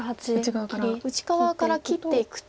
内側から切っていくと。